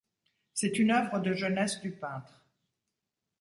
C'est une œuvre de jeunesse du peintre.